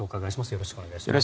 よろしくお願いします。